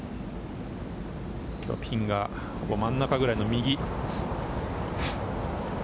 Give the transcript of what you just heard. きょうはピンがほぼ真ん中ぐらいの右。